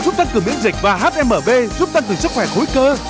giúp tăng cường miễn dịch và hmv giúp tăng cường sức khỏe khối cơ